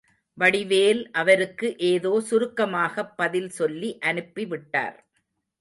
வடிவேல் அவருக்கு ஏதோ சுருக்கமாகப் பதில் சொல்லி அனுப்பிவிட்டார்.